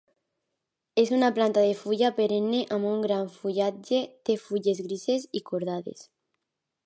És una planta de fulla perenne amb un gran fullatge; té fulles grises i cordades.